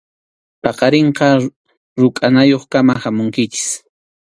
Paqarinqa rukʼanayuqkama hamunkichik.